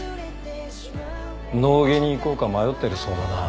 脳外に行こうか迷っているそうだな。